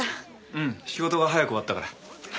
うん仕事が早く終わったから。